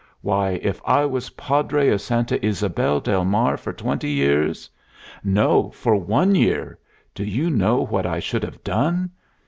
Why, if I was Padre of Santa Ysabel del Mar for twenty years no! for one year do you know what I should have done?